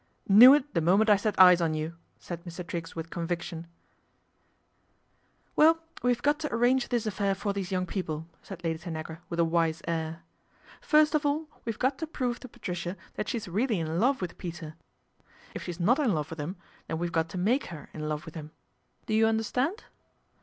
' Knew it the moment I set eyes on you," said Mr. Triggs with conviction^ " Well, we've got to arrange this affair for these young people," said Lady Tanagra with a wise air. " First of all we've got to prove to Patricia that she is really in love with Peter. If she's not in love with him, then we've got to make her in love with him. Do you understand